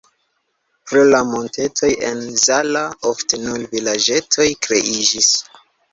Pro la montetoj en Zala ofte nur vilaĝetoj kreiĝis.